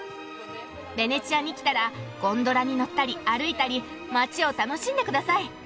ベネチアに来たらゴンドラに乗ったり歩いたり街を楽しんでください。